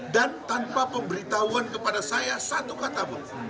dan tanpa pemberitahuan kepada saya satu kata